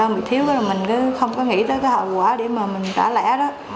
mình cứ không có nghĩ tới cái hậu quả để mà mình trả lẽ đó